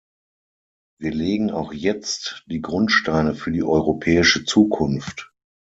Wir legen auch jetzt die Grundsteine für die europäische Zukunft.